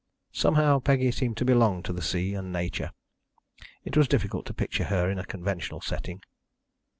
Somehow, Peggy seemed to belong to the sea and Nature. It was difficult to picture her in a conventional setting.